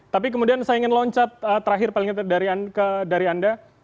tapi kemudian saya ingin loncat terakhir paling tidak dari anda